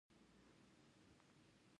دا به موږ له احتیاجه خلاص کړي.